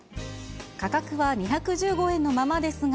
価格は２１５円のままですが、